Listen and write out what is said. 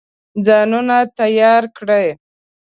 ځانونه تیار کړي.